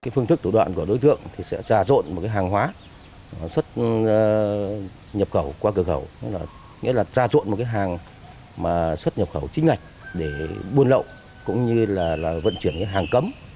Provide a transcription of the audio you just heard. phương thức thủ đoạn của đối tượng sẽ ra rộn một hàng hóa xuất nhập khẩu qua cửa khẩu ra rộn một hàng xuất nhập khẩu chính ngạch để buôn lậu cũng như vận chuyển hàng cấm